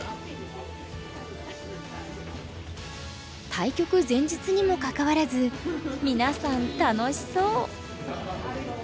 対局前日にもかかわらず皆さん楽しそう。